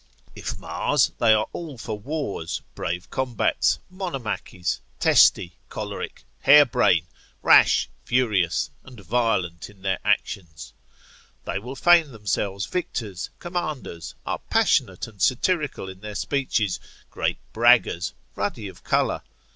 If Mars, they are all for wars, brave combats, monomachies, testy, choleric, harebrain, rash, furious, and violent in their actions. They will feign themselves victors, commanders, are passionate and satirical in their speeches, great braggers, ruddy of colour.